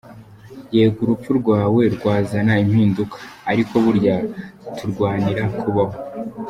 Yego urupfu rwawe rwazana impinduka, ariko burya turwanira kubaho.